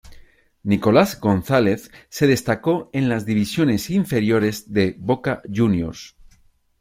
Nicolás González se destacó en las divisiones inferiores de Boca Juniors.